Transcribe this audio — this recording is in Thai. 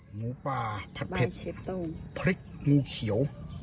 หมูปลาผัดเผ็ดพริกงูเขียว